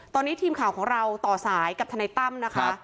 ตอนนี้ทีมข่าวของเราต่อสายกับทนายตั้มนะคะ